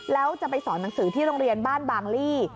แล้วจะไปสอนหนังสือที่โรงเรียนบ้านบางลี่